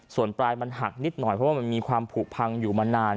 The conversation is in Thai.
ส่วนปลายมันหักนิดหน่อยเพราะว่ามันมีความผูกพังอยู่มานาน